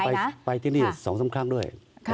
บ่อยมากวันหนึ่งไปที่นี่๒๓ครั้งด้วย